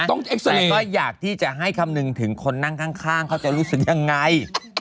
แต่ก็อยากที่จะให้คำหนึ่งถึงคนนั่งข้างเขาจะรู้สึกยังไง